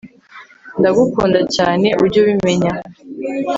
Ndagukunda cyaneujye ubimenya